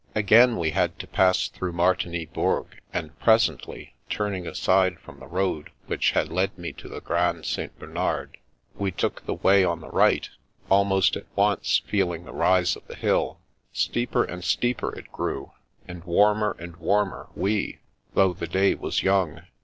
Again we had to pass through Martigny Bourg, and presently, turning aside from the road which had led me to the Grand St. Bernard, we took the way on the right, almost at once feeling the rise of the hill. Steeper and steeper it grew, and warmer and warmer we, though the day was young.